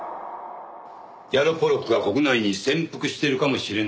ヤロポロクが国内に潜伏してるかもしれないんでしょ？